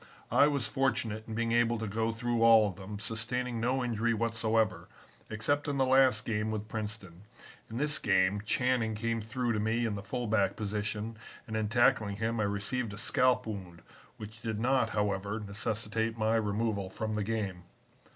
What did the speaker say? I was fortunate in being able to go through all of them, sustaining no injury whatsoever, except in the last game with Princeton. In this game, Channing came through to me in the fullback position and in tackling him I received a scalp wound which did not, however, necessitate my removal from the game.